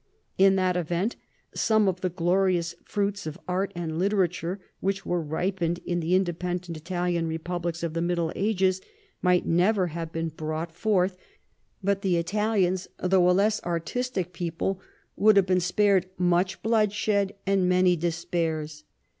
In that event some of the glorious fruits of art and literature which were ripened in the independent Italian repub lics of the Middle Ages might never have been brought 328 CHARLEMAGNE. forth, but the Italians, though a less artistic people, would have been spared much bloodshed and many despairs.